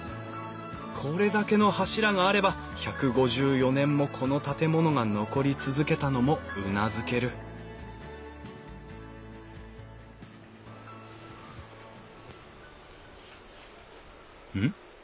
これだけの柱があれば１５４年もこの建物が残り続けたのもうなずけるうん？